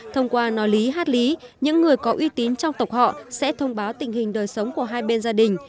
thông qua nói lý hát lý những người có uy tín trong tộc họ sẽ thông báo tình hình đời sống của hai bên gia đình